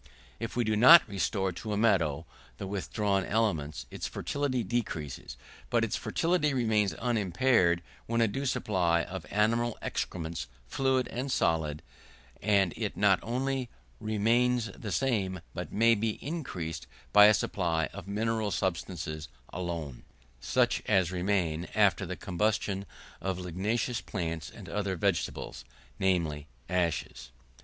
If we do not restore to a meadow the withdrawn elements, its fertility decreases. But its fertility remains unimpaired, with a due supply of animal excrements, fluid and solid, and it not only remains the same, but may be increased by a supply of mineral substances alone, such as remain after the combustion of ligneous plants and other vegetables; namely, ashes.